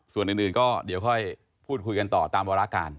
ส่วนอื่นก็เดี๋ยวค่อยพูดคุยกันต่อตามวารการ